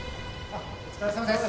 お疲れさまです。